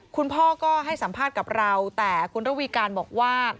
คุณพ่อก็ให้สัมภาษณ์กับเราแต่คุณระวีการบอกว่า